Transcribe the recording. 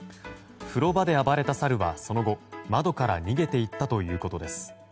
風呂場で暴れたサルはその後、窓から逃げて行ったということです。